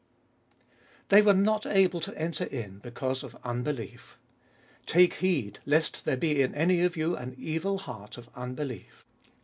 7. They were not able to enter fn because of unbelief. Take heed, lest there be in any of you an evil heart of unbelief.